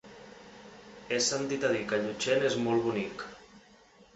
He sentit a dir que Llutxent és molt bonic.